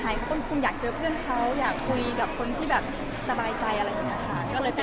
เขาก็คงอยากเจอเพื่อนเขาอยากคุยกับคนที่แบบสบายใจอะไรอย่างนี้ค่ะ